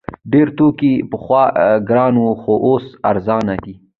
ډیر توکي پخوا ګران وو خو اوس ارزانه دي.